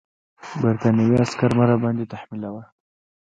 برټانوي عسکر مه راباندې تحمیلوه.